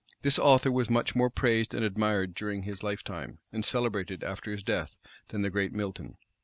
This author was much more praised and admired during his lifetime, and celebrated after his death, than the great Milton.